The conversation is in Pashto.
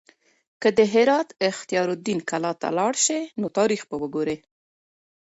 که ته د هرات اختیار الدین کلا ته لاړ شې نو تاریخ به وګورې.